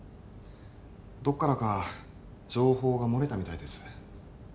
どっからか情報が漏れたみたいです。